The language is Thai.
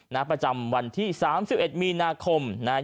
นะฮะระประจำวันที่๓๑มีนาคมนะครับ